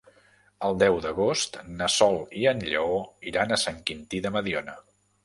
El deu d'agost na Sol i en Lleó iran a Sant Quintí de Mediona.